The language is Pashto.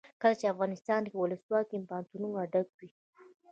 کله چې افغانستان کې ولسواکي وي پوهنتونونه ډک وي.